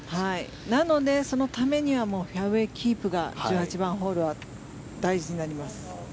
なのでそのためにはフェアウェーキープが１８番ホールは大事になります。